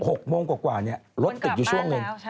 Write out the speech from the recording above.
ติด๖โมงกว่านี่รถติดอยู่ช่วงนั้น